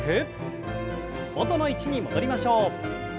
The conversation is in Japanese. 元の位置に戻りましょう。